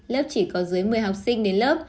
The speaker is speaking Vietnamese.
lớp chỉ có dưới một mươi học sinh đến lớp